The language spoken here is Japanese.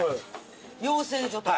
養成所とか？